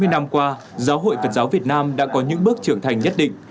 sáu mươi năm qua giáo hội phật giáo việt nam đã có những bước trưởng thành nhất định